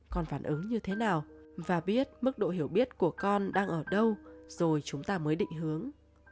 còn phản ứng như thế nào và biết mức độ hiểu biết của con đang ở đâu rồi chúng ta mới định hướng